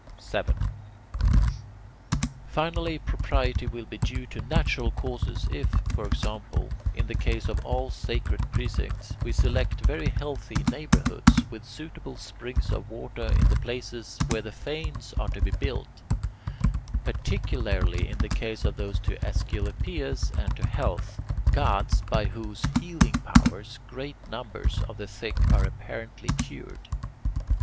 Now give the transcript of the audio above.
7. Finally, propriety will be due to natural causes if, for example, in the case of all sacred precincts we select very healthy neighbourhoods with suitable springs of water in the places where the fanes are to be built, particularly in the case of those to Aesculapius and to Health, gods by whose healing powers great numbers of the sick are apparently cured.